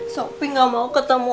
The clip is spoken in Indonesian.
sopi gak mau ketemu